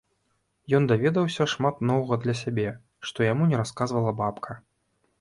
Ён даведаўся шмат новага для сябе, што яму не расказвала бабка.